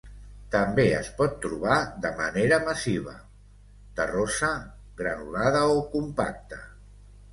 També es pot trobar de manera massiva, terrosa, granulada o compacta.